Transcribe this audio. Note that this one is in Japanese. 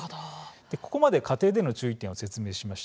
ここまで家庭での注意点を説明しました。